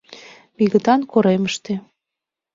«Мигытан коремыште».